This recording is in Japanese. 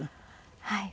はい。